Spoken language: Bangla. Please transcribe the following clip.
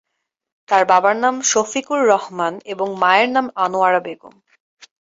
তার বাবার নাম শফিকুর রহমান এবং মায়ের নাম আনোয়ারা বেগম।